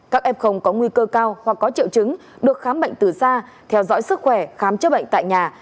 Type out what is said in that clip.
các f có nguy cơ cao hoặc có triệu chứng được khám bệnh từ xa theo dõi sức khỏe khám chữa bệnh tại nhà